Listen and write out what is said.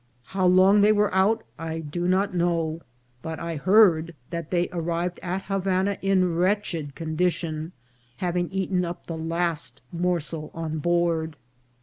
How long they were out I do not know, but I heard that they arrived at Havana in wretched condition, having eaten up the last morsel on board.